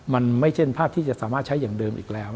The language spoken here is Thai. มันไม่ใช่ภาพที่จะสามารถใช้อย่างเดิมอีกแล้ว